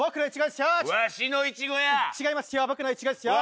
違いますよ。